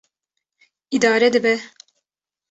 Îdare dibe.